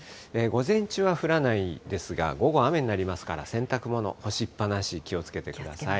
午前中は降らないですが、午後、雨になりますから、洗濯物、干しっぱなし気をつけてください。